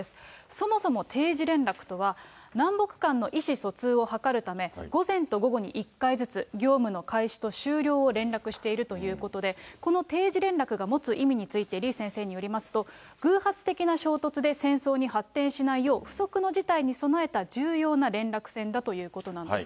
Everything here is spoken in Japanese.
そもそも定時連絡とは、南北間の意思疎通を図るため、午前と午後に１回ずつ、業務の開始と終了を連絡しているということで、この定時連絡が持つ意味について、李先生によりますと、偶発的な衝突で戦争に発展しないよう、不測の事態に備えた重要な連絡線だということなんです。